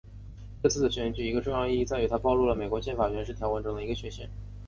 这次选举的一个重要意义在于它暴露了美国宪法原始条文中的一个缺陷。